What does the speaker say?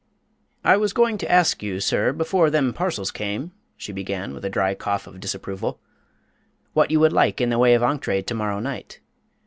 "I was going to ask you, sir, before them parcels came," she began, with a dry cough of disapproval, "what you would like in the way of ongtray to morrow night.